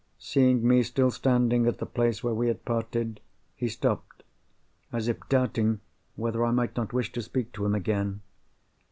Seeing me still standing at the place where we had parted, he stopped, as if doubting whether I might not wish to speak to him again.